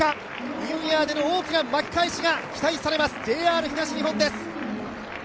ニューイヤーの大きな巻き返しが期待されます、ＪＲ東日本です。